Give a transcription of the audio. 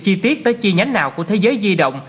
chi tiết tới chi nhánh nào của thế giới di động